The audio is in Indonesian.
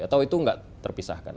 atau itu nggak terpisahkan